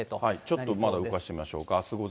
ちょっとまだ動かしてみましょうか。